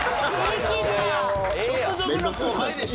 直属の後輩でしょ？